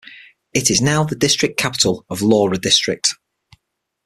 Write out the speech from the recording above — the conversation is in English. It is now the district capital of Lawra District.